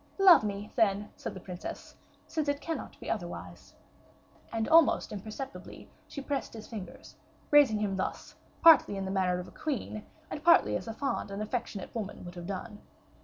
"Love me, then," said the princess, "since it cannot be otherwise." And almost imperceptibly she pressed his fingers, raising him thus, partly in the manner of a queen, and partly as a fond and affectionate woman would have done.